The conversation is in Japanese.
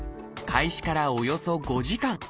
開始からおよそ５時間